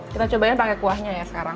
kita cobain pakai kuahnya ya sekarang